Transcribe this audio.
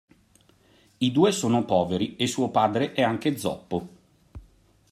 I due sono poveri e suo padre è anche zoppo.